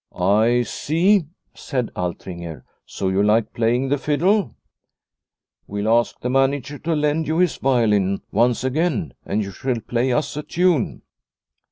"I see/' said Altringer; "so you like playing the fiddle. We'll ask the manager to lend you his violin once again, and you shall play us a tune."